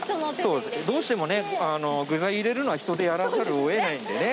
どうしてもね具材入れるのは人でやらざるを得ないんでね。